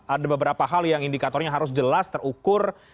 ada beberapa hal yang indikatornya harus jelas terukur